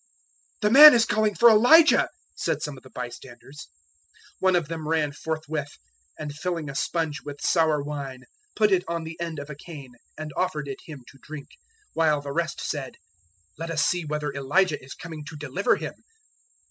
027:047 "The man is calling for Elijah," said some of the bystanders. 027:048 One of them ran forthwith, and filling a sponge with sour wine put it on the end of a cane and offered it Him to drink; 027:049 while the rest said, "Let us see whether Elijah is coming to deliver him."